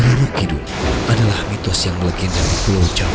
aku tidak marah padamu